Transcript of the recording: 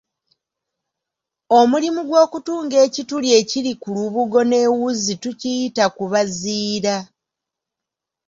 Omulimu gw’okutunga ekituli ekiri mu lubugo n’ewuzi tukiyita kubaziira.